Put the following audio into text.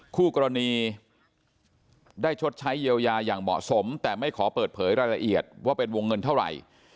คู่กรณีได้ชดใช้เยียวยาอย่างเหมาะสมแต่ไม่ขอเปิดเผยรายละเอียดว่าเป็นวงเงินเท่าไหร่